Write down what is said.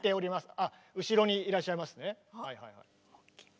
あ後ろにいらっしゃいますね。